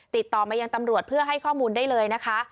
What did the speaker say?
ติดต่อมายังตำรวจเพื่อให้ข้อมูลได้เลยนะคะ